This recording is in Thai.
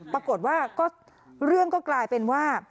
ปรากฏว่าก็เรื่องก็กลายเป็นว่า